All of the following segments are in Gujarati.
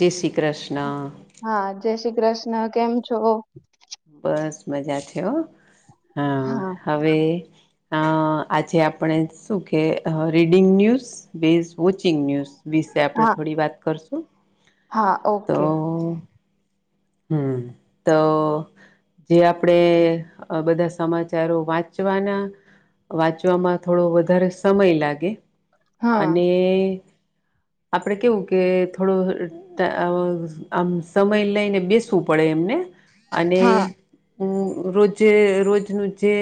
જેે શી હા જય શ્રી કૃષ્ણ કેમ છો? બસ મજા થયો હા હવે અ આજે આપણે શું કે reading news base watching news વિશે આપડ હા થોડી વાત કરશું હા તો ઓકે હમ્મ તો જે આપણેે બધા સમાચારો વાંચવાના વાંચવામાં થોડો વધારે સમય લાગે હા અને આપડે કેવું કે થોડો આમ સમય લઈને બેસવું પડે એમને અને હા હ રોજે રોજનું જે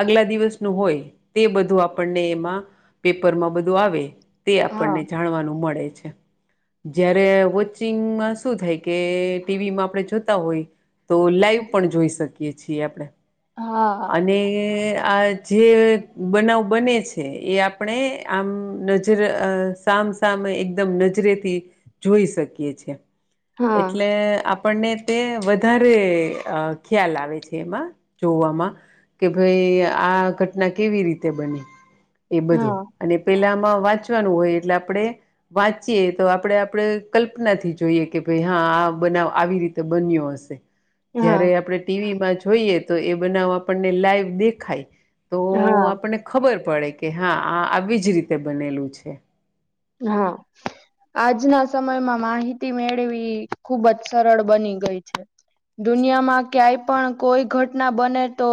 આગલા દિવસનું હોય તે બધું આપણને એમાં પેપર માં બધું આવે તે હા આપણને જાણવાનું મળે જયારે વોચિંગમાં શું થાય કે ટીવીમાં આપણે જોતા હોય તો લાઈવ પણ જોઈ શકીએ છીએ આપણે હા હા અને આ જે બનાવ બને છે એ આપણે આમ નજર સા મ સામે એકદમ નજરેથી જોઈ શકીએ છીએ હા એટલે આપણને તે વધારે ખ્યાલ આવે છે એમાં જોવામાં કે ભાઈ આ ઘટના કેવી રીતે બને એ બધું હા અને પેલા વાંચવાનું હોય એટલે આપણે વાંચીએ તો આપણે આપણે કલ્પના થી જોઈએ કે ભાઈ હા બનાવ આવી રીતે બન્યો હશે જય્યારે આપણે ટીવીમાં જોઈએ તો એ બનાવ આપણને લાઈવ દેખાય તો હા આપણને ખબર પડે કે હા આ આવી જ રીતે બનેલું છે. હા. આજના સમયમાં માહિતી મેળવી ખુબ જ સરળ બની ગઈ છે. દુનિયામાં ક્યાંય પણ કોઈ ઘટના બને તો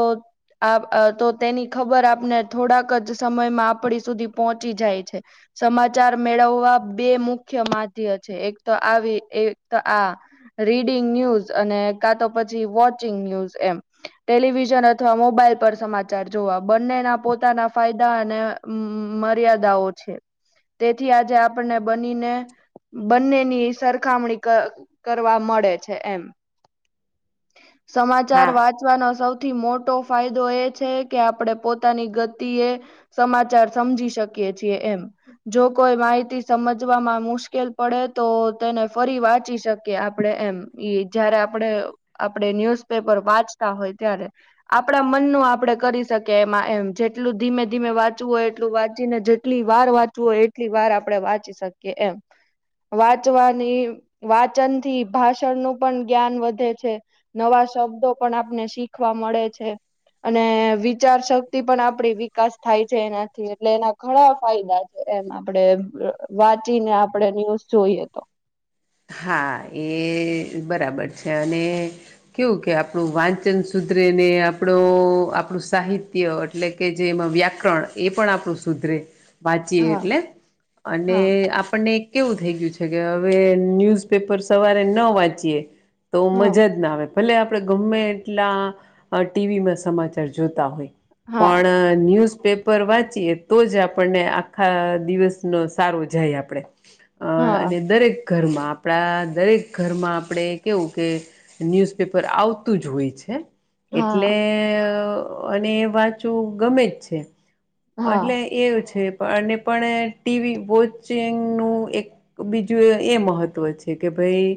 આ તો તેની ખબર આપને થોડાક જ સમયમાં આપડી સુધી પહોંચી જાય છે. સમાજ ચાર મેળવવા બે મુખ્ય માધ્ય છે. એક તો આવી એક તો આ રીડી ડીંગ ન્યૂઝ અને કાતો પછી વૉચિંગ ન્યૂઝ એમ ટેલિવિઝન અથવા મોબાઈલ પર સમાચાર જોવા બંનેના પોતાના ફાયદા અને મર્યાદાઓ છે. તેથી આજે આપણને બનીને બંનેની સરખામણી કર કરવા મળે છે એમ. [unintelligible] સમાચાર હા વાંચવાનો સૌથી મોટો ફાયદો એ છે કે આપડે પોતાની ગતિએ સમાચાર સમજી શકીએ છીએ એમ. જો કોઈ માહિતી સમજવામાં મુશ્કેલ પડે તો તેને ફરી વાંચી શકીએ આપડે જયારે આપણે આપણે ન્યુઝપેપર વાંચતા હોય ત્યારે આપણા મનનું આપણે કરી શકીએ એમાં એમ જેટલું ધીમે ધીમે વાંચવું હોય એટલું વાંચીને જેટલી વાર વાંચી જુઓ એટલી વાર આપડણે વાંચી શકીએ એમ. વાંચવાની વાચન થી ભાષણનું પણ જ્ઞાન વધે છે. નવા શબ્દો પણ આપને શીખવા મળે છે. અને વિચાર શક્તિ પણ આપડી વિકાસ થાય છે એનાથી એટલે એના ઘણા ફાયદા એમ આપડે વાંચીને આપણે ન્યૂઝ જોઈએ તો. હા એ બરાબર છે અને કેવું કે આપણું વાંચન સુધ્ર સુધરેને આપણું આપણું સાહિત્ય એટલે કે જેમાં વ્યાકરણ એ પણ આપણું સુધરે વાંચીએ હા એટલે અને હા આપણને કેવું થઈ ગયું છે કે હવે ન્યુઝપેપર સવારે ન વાંચી તો મજા હા જ ના આવે. ભલે આપણે ગમે એટલા ટીવીમાં સમાચાર જોતા હોય હા પણ ન્યૂઝ પેપર વાંચીએ તો જ આપણને આખા દિવસ નો સારો જાય આપડે. અ હા અને દરેક ઘરમાં આપણા દરેક ઘરમાં આપણે કેવું કે ન્યૂઝપેપર આવતું જ હોય છે. એટલે હા અને એ વાચું ગમે જ છે. હા એટલે એવું છે પણ ટીવી વોચિંગ નું એક બીજું એ મહત્વ છે કે ભાઈ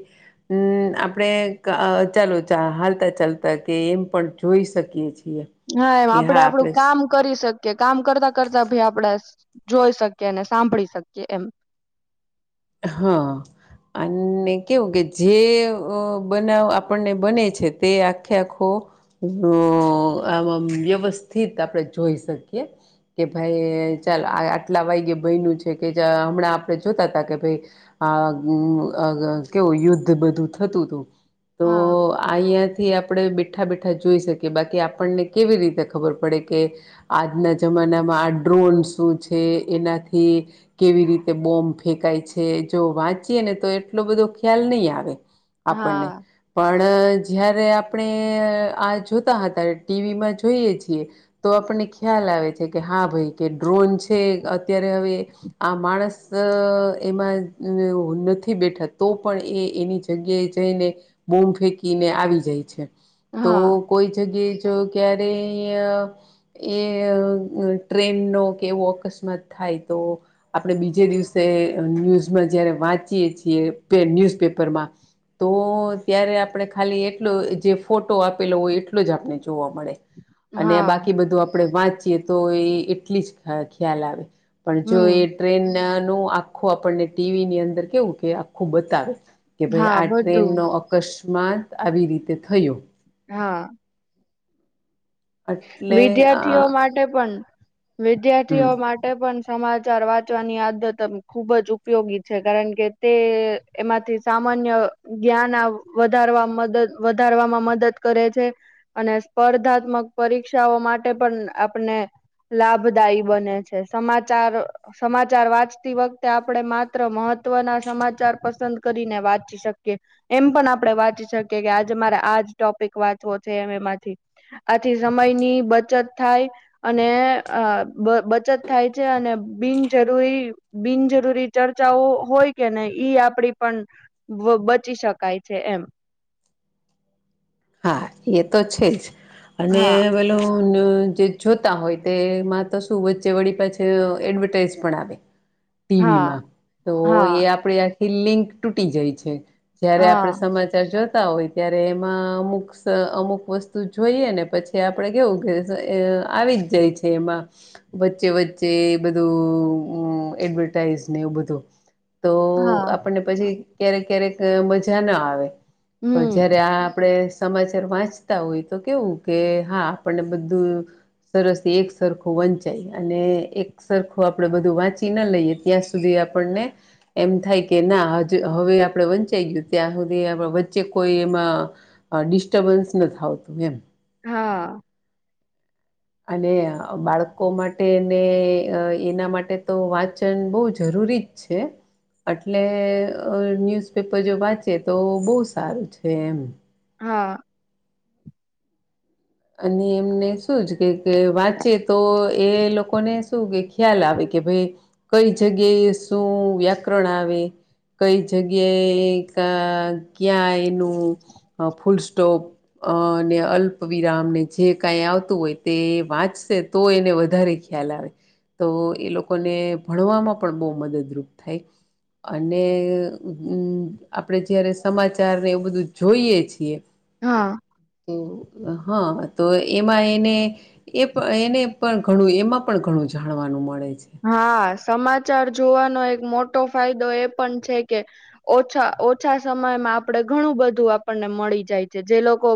હમ આપણે ચાલો ચ ચાલતા ચાલતા ત કે એમ પણ જોઈ શકીએ છીએ. હા એમ આપડે આપડું કામ કરી શકીએ કામ કરતા કરતા ભી આપડા જોઈ શકીએ અને સાંભળી શકીએ એમ. હા. અને કેવું કે જે બનાવ આપણને બને છે તે આખે આખો આ વ્યવસ્થિત આપણે જોઈ શકીએ કે ભાઈ ચાલ આ આટલા વાય્ય ભયનું છે કે હમણાં આપડે જોતા હતા કે ભાઈ આ કેવું યુદ્ધ બધું થતું હતું. તો હા આંયા થી આપણે બીઠા બેઠા જોઈ શકીએ બાકી આપણને કેવી રીતે ખબર પડે કે આજના જમા આ ડ્રોન શું છે એનાથી કેવી રીતે બોમ્બ ફેંકાય છે. જો વાંચીય ને તો એટલો બધો ખ્યાલ નહીં આવે આપણને હા પણ જયારે આપણે આ જોતા હતા ટીવીમાં જોઈએ છીએ તો આપણે ખ્યાલ આવે છે કે હા ભાઈ કે ડ્રોન છે, અત્યારે હવે આ માણસ એમાં નથી બેઠા તો પણ એ એની જગ્યાએ જઈને બોમ્બ ફેંકીને આવી જાય છે. તો હા કોઈ જગ્યા જો ક્યારે એ ટ્રેન નો કે એવો અકસ્માત થાય. તો આપણે બીજે દિવસે ન્યુઝમાં જયારે વાંચીએ છીએ ન્યુઝ પેપરમાં તો ત્યારે આપણે ખાલી એટલો જે ફોટો આપેલો હોય એટલો જ આપણે જોવા મળે. અને હા બાકી બધું આપડણે વાંચીએ તો એ એટલી જ ખ્યાલ આવે. પણ જો હમ એ ટ્રેન નું આખું આપણને ટીવીની અંદર કેવું કે આખું બતાવે કે ભાઈ હા આ ટ્રેન બધું નો અકસ્માત આવી રીતે થયો. હા. એટલે આ વિદ્યાર્થીઓ માટે પણ વિદ્યાર્થીઓ હમ માટે પણ સમાચાર વાંચવાની આદત ખુબ જ ઉપયોગી છે કારણ કે તે એમાંથી સા જ્ઞાન વધાર વધારવામાં મદદ કરે છે અને સ્પર્ધાત્મક પરીક્ષાઓ માટે પણ આપને લાભદાયી બને છે. સમાચાર સમાચાર વાંચતી વખતે આપણેે માત્ર મહ ત્વ સમાચાર પસંદ કરીને વાંચી શકીએ એમ પણ આપણે વાંચી શકીએ કે આજે મારે ટોપિક વાંચવો છે એમ એમાંથી થી સમયની બચત થાય અને બચત થાય છે અને બિન જરૂરી બિનજરૂરી ચર્ચાઓ હોય કે નને ઈ આપડી પણ પચી શકાય છે એમ. હા એ તો છે જ અને હા પેલું જે જોતા હોય તેમાં તો શું વચ્ચે વળી પાછ એડવર્ટાઈઝ પણ આવે હા ટીવીમાં તો એ હા આપડ આખી લિંક તૂટી જાય છે. જયારે આપડ હા સમાચાર જોતા હોય ત્યારે એમાં અમુક અમુક વસ્તુ જોઈએ ને પછી આપડે કેવું કે આવી જ જાય છે એમાં વચ્ચે વચ્ચે બધું એડવર્ટાઈઝને એવું બધું. તો હા આપણને પછી ક્યારેક ક્યારેક મજા ના આવે પણ હમ જયારે આ આપ સમાચાર વાંચતા હોય તો કેવું કે હા આપણને બધું સરસ થી એક સરખું વંચાય અને એક સરખું આપણેે બધું વાંચી ના લઈએ ત્યાં સુધી આપને એમ થાય કે ના હવે આપણે વંચાઈ ગયું ત્યાં સુધી વચ્ચે કોઈ એમાં ડિસ્ટર્બન્સ નથી આવતું એમ. હા. અને બાળકો માટે ને એના માટે તો વાંચન બહુ જરૂ રી જ છે. એટલે ન્યુઝપેપર જો વાંચે તો બહુ સારું છે એમ. હા. અને એમને શુંજ કે વાંચે તો એ લોકોને શું કે ખ્યાલ આવે કે ભાઈ કઈ જગ્યાએ શું વ્યાકરણ આવે કઈ જગ્યાએ ક ક્યાં એનું ફુલ હા ફુલસ્ટોપ અને [unintelligible] વિરામને જે કઈ આવતું હોય તે વાંચશે તો એને વધારે ખ્યાલ આવે. તો એ લોકોને ભણવામાં પણ બહુ મદદરૂપ થાય. અને આપડે જયારે સમાચાર ને એવું બધું જોઈએ છીએ હા. તો હા તો એમાં એને એ એને પણ ઘણું એમાં પણ ઘણું જાણવાનું મળે. છે. હા સમા ચાર જોવાનો એક મોટો ફાયદો એ પણ છે કે ઓછા ઓછા સમયમાં આપણે ઘણું બધું આપણને મળી જાય છે. જે લોકો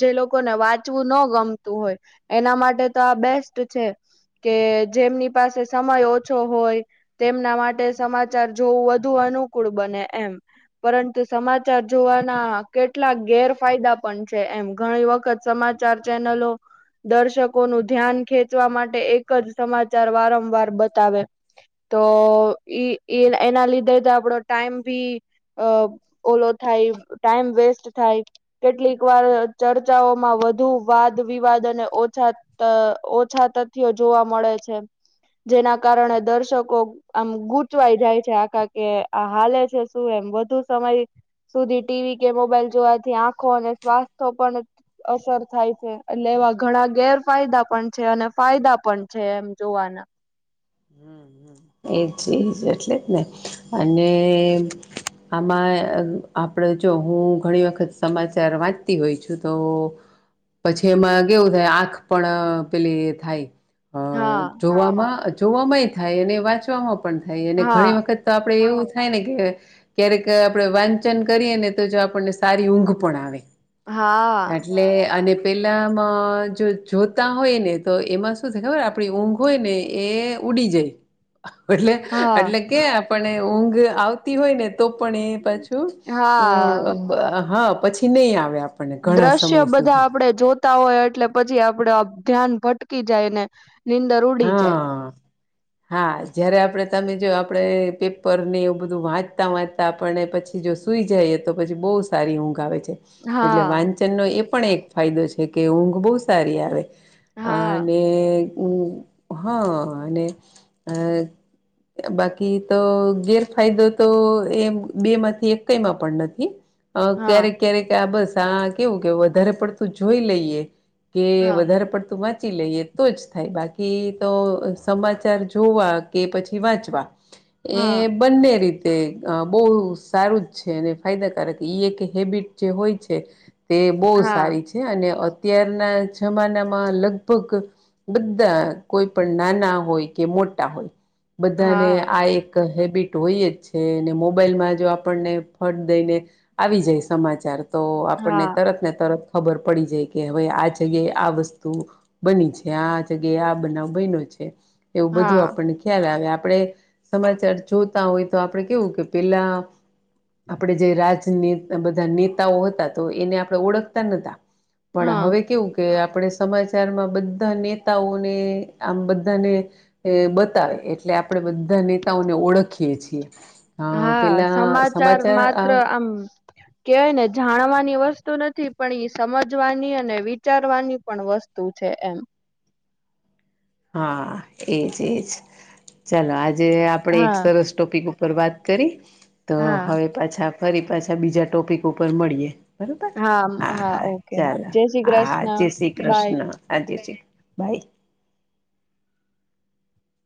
જે લોકોને વાંચવું ન ગમતું હોય એના માટે તો આ બેસ્ટ છે કે જેમની પાસે સમય ઓછો હોય તેમના માટે સમાચાર જોવું વધુ અનુકૂળ બને એમ. પરંતુ સમાચાર જોવાના કેટલાક ગેરફાયદા પણ છે એમ ઘણી વખત સમા આ [unintelligible] ચાર ચેનલો દર્શકો નું ધ્યાન ખેંચવા માટે એક જ સમાચાર વારંવાર બતાવે તો એ એના લીધે તો આપડો ટાઈમ ભી અ ઓલો થાય ટાઈમ વેસ્ટ થાય કેટલીક વાર ચર્ચાઓમાં વધુ વાદ વિવાદ અને ઓછા અ ઓછા તથ્યો જોવા મળે છે. જેના કારણે દર્શકો આમ ગૂચવાઈ જાય છે, આખા કે આ હાલે છે, શું એમ વધુ સમય સુધી ટીવી કે મોબાઈલ જોવાથી આંખો અને સ્વાસ્થ પણ અસર થાય છે, એટલે એવા ઘણા ગેરફાયદા પણ છે, અને ફાયદા પણ છે, એમ જોવાના. એજ એજ એટલે જ ને અને આમાં આપણે જો હું ઘણી વખત સમાચાર વાંચતી હોય છું, તો પછી એમાં કેવું થાય આંખ પણ પેલી થાય હા હ જોવામાં જોવામાંય થાય અને વાંચવામાં પણ થાય અને હા ઘણી વખત તો આપણે એવું થાય ને કે ક્યારેક આપણે વાંચન કરીએ ને તો જો આપણને સારી ઊંઘ પણ આવે. હા. એટલે અને પેલામાં જો જોતા હોય ને તો એમાં શું થાય ખબર આપણી ઊંઘ હોય ને એ ઉડી જાય એટલે હા. એટલે કે આપને ઊંઘ આવતી હોય ને તો પણ એ પાછું હા. હા પછી નહી આવે આપ. દ્રશ્ય બધા આપડે જોતા હોય. એટલે પછી આપડે ધ્યાન ભટકી જાય ને નીંદર ઉડી જાય. હા [inaudible] હા જયારે આપણે તમે જો આપણે પેપર ને એવું બધું વાંચતા વાંચતા આપણને પછી જોશું. સુઈ જાયએ તો પછી બહુ સારી ઊંઘ આવે છે. એટલે હા વાંચનનો એ પણ એક ફાયદો છે કે ઊંઘ બહુ સારી આવે હા અને ઊંઘ હ અને આ બાકી તો ગેરફાયદો તો એ બે માંથી એક કઈ માં પણ નથી. હા ક્યારેક ક્યારેક આ બસ આ કેવું કે વધારે પડતું જોઈ લઈએ કે હા વધારે પડતું વાંચી લઈએ તો જ થાય બાકી એ તો સમાચાર જોવા કે પછી વાંચવા એ હા બંને રીતે તે બહુ સારું જ છે, અને ફાયદાકારક એક હેબિટ જે હોય છે. તે બહુ હા સારી છે અને અત્યારના જમાનામાં લગભગ બધા કોઈ પણ નાના હોય કે મોટા હોય બધાને હા આ એક હે બીટ હોય જ છે, અને મોબાઈલમાં જો આપણને ફટ દઈને આવી જાય સમાચાર. તો આપણને હા તરત ને તરત ખબર પડી જાય કે હવે આ જગ્યાએ આ વસ્તુ બની છે, આ જગ્યાએ બનાવ બન્યો છે. એવું બધું હા આપને ખ્યાલ આવે આપણે સમાચાર જોતા હોય તો આપડે કેવું કે પેલા આપણે જે રાજને બધા નેતાઓ હતા તો એને આપણે ઓળખતા નતા પણ હા હવે કેવું કે આપણે સમાચારમાં બધા નેતાઓ ને આમ બધાને બતાવે એટલે આપણે બધા નેતાઓને ઓળખીએ છીએ. અ હા, પેલા સમાચાર માત્ર આ આમ કેવાય ને જાણવાની વસ્તુ નથી પણ ઈ સમજવાની અને વિચારવાની પણ વસ્તુ છે. એમ હા એજ એજ ચાલો આજે આપડે એક હા સરસ ટોપિક ઉપ પર વાત કરી તો હા હવે પાછા ફરી પાછા બીજા ટોપિક ઉપર મળીએ. બરોબર હા હા ઓકે હા ચાલો જય શ્રી હા હા કૃષ્ણ જય શ્રી બાય કૃષ્ણ હા જય શ્રી કૃષ્ણ. ભાઈ